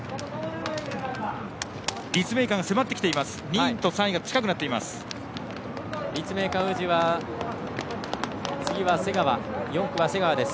立命館、迫ってきています。